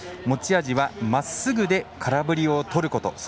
持ち味は、まっすぐで空振りをとること。